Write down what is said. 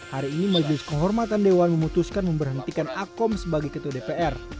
hari ini majelis kehormatan dewan memutuskan memberhentikan akom sebagai ketua dpr